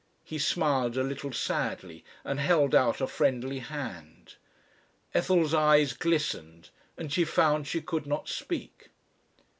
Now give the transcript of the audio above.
He smiled a little sadly, and held out a friendly hand. Ethel's eyes glistened and she found she could not speak.